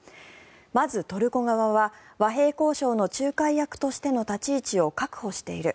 まずトルコ側は和平交渉の仲介役としての立ち位置を確保している。